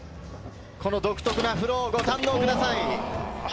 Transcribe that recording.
独特なフローをご堪能ください。